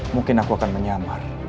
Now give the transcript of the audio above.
mungkin aku akan menyamar